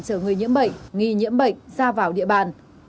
chở người nhiễm bệnh nghi nhiễm bệnh ra vào địa bàn